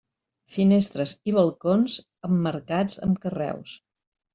Finestres i balcons emmarcats amb carreus.